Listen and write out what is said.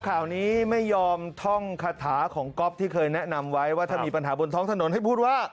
ข่าวนี้ไม่ยอมท่องคาถาของก๊อฟที่เคยแนะนำไว้ว่าถ้ามีปัญหาบนท้องถนนให้พูดว่า